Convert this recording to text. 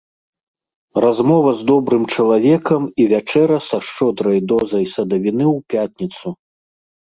Размова з добрым чалавекам і вячэра са шчодрай дозай садавіны ў пятніцу.